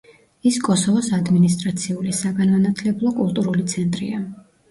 ის კოსოვოს ადმინისტრაციული, საგანმანათლებლო, კულტურული ცენტრია.